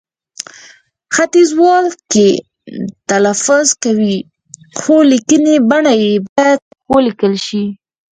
ختیځوال کښې، کې تلفظ کوي، خو لیکنې بڼه يې باید کښې ولیکل شي